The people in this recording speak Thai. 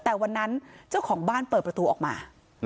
แต่วันนั้นเจ้าของบ้านเปิดประตูออกมา